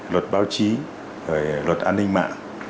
luật báo chí luật an ninh mạng